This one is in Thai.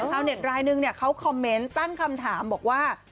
ชาวเน็ตรายนึงเขาคอมเมนต์ตั้งคำถามบอกว่า